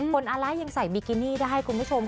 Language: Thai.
คนอลายยังใส่บิกินิได้คุณผู้ชมค่ะ